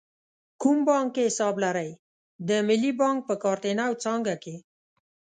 کوم بانک کې حساب لرئ؟ د ملی بانک په کارته نو څانګه کښی